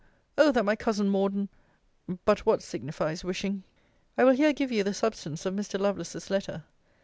Oh! that my cousin Morden But what signifies wishing? I will here give you the substance of Mr. Lovelace's letter.